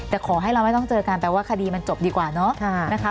แต่ขอให้เราไม่ต้องเจอกันแปลว่าคดีมันจบดีกว่าเนาะนะคะ